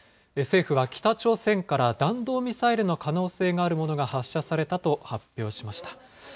政府は、北朝鮮から弾道ミサイルの可能性があるものが発射されたと発表しました。